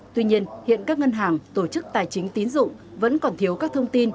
tuy nhiên hiện các ngân hàng tổ chức tài chính tín dụng vẫn còn thiếu các thông tin